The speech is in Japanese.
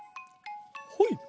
はい。